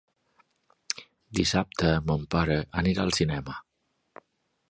Dissabte mon pare anirà al cinema.